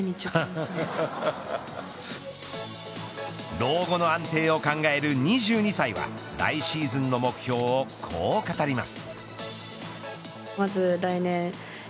老後の安定を考える２２歳は来シーズンの目標をこう語ります。